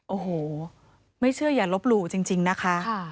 โอ้โหไม่เชื่ออย่าลบหลู่จริงนะคะ